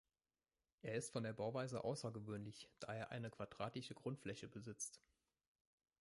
Er ist von der Bauweise außergewöhnlich, da er eine quadratische Grundfläche besitzt.